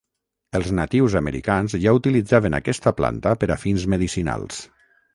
Els natius americans ja utilitzaven aquesta planta per a fins medicinals.